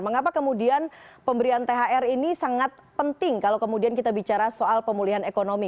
mengapa kemudian pemberian thr ini sangat penting kalau kemudian kita bicara soal pemulihan ekonomi